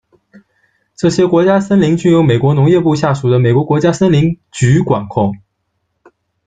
这些国家森林均由美国农业部下属的美国国家森林局管控。